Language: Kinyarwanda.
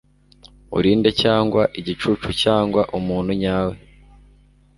Uri nde cyangwa igicucu cyangwa umuntu nyawe